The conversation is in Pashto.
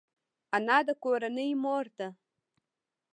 انا د کورنۍ مور ده